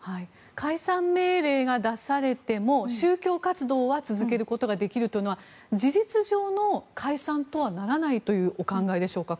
解散命令が出されても宗教活動は続けることができるというのは事実上の解散とはならないというお考えでしょうか？